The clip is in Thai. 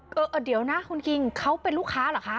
เออเดี๋ยวนะคุณคิงเขาเป็นลูกค้าเหรอคะ